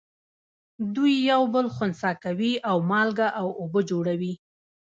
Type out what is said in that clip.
دوی یو بل خنثی کوي او مالګه او اوبه جوړوي.